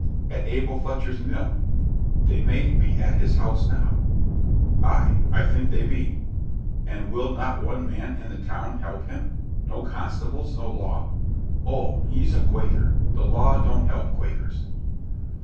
"At Abel Fletcher's mill; they may be at his house now " "Ay, I think they be." "And will not one man in the town help him; no constables no law?" "Oh! he's a Quaker; the law don't help Quakers."